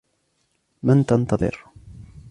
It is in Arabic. من تنتظر ؟